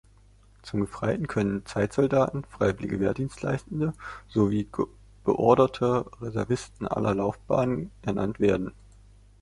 Zum Gefreiten können Zeitsoldaten, freiwillig Wehrdienstleistende sowie beorderte Reservisten aller Laufbahnen ernannt werden.